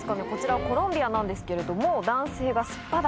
こちらコロンビアなんですけれども。